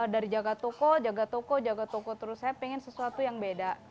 dari jaga toko jaga toko jaga toko terus saya pengen sesuatu yang beda